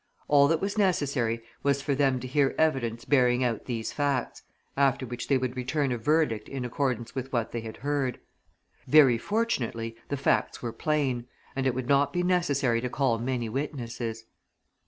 All that was necessary was for them to hear evidence bearing out these facts after which they would return a verdict in accordance with what they had heard. Very fortunately the facts were plain, and it would not be necessary to call many witnesses.